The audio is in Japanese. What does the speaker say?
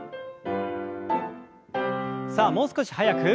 さあもう少し速く。